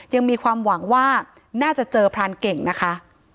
ยังมีความหวังว่าน่าจะเจอพรานเก่งนะคะ